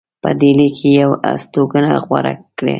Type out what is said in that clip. په ډهلي کې یې هستوګنه غوره کړه.